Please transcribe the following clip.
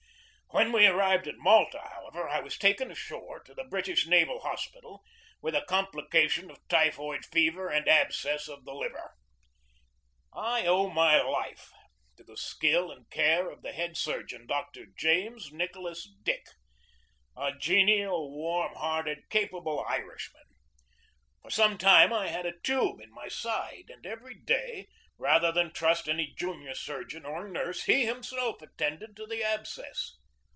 When we arrived at Malta, however, I was taken ashore to the British Naval Hospital, with a com plication of typhoid fever and abscess of the liver. I owe my life to the skill and care of the head sur geon, Dr. James Nicholas Dick, a genial, warm hearted, capable Irishman. For some time I had a tube in my side, and every day, rather than trust any junior surgeon or nurse, he himself attended to the abscess.